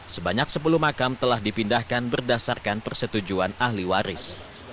sebanyak sepuluh makam telah dipindahkan berdasarkan persetujuan ahli waris